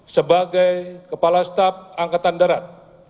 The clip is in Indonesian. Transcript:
sebagai kepala staf angkatan darat